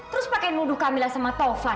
terus pakai nuduh camillah sama taufan